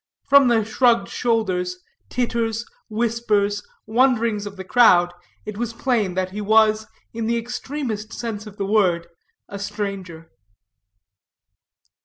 From the shrugged shoulders, titters, whispers, wonderings of the crowd, it was plain that he was, in the extremest sense of the word, a stranger.